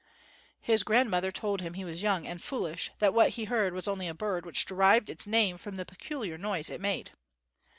His grandmother told him he was young and foolish; that what he heard was only a bird which derived its name from the peculiar noise it made.